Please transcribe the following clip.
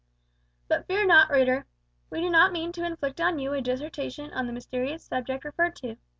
But fear not, reader. We do not mean to inflict on you a dissertation on the mysterious subject referred to.